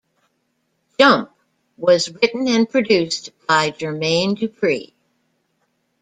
"Jump" was written and produced by Jermaine Dupri.